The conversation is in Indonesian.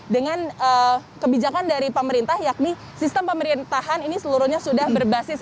dengan kebijakan dari pemerintah yakni sistem pemerintahan ini seluruhnya sudah berbasis